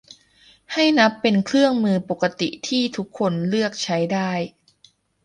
ให้นับเป็นเครื่องมือปกติที่ทุกคนเลือกใช้ได้